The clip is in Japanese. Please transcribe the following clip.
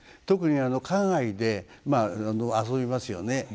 特に花街で遊びますよね